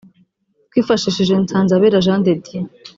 twifashishije Nsanzabera Jean de Dieu